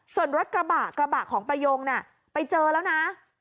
ส่วนรถกระบะกระบะของประโยงไปเจอแล้วนะ